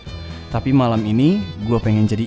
tetapi pada malam ini